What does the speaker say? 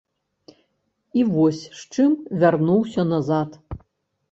І вось з чым вярнуўся назад.